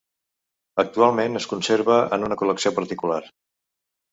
Actualment es conserva en una col·lecció particular.